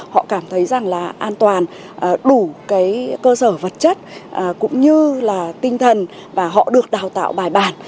họ cảm thấy rằng là an toàn đủ cái cơ sở vật chất cũng như là tinh thần và họ được đào tạo bài bản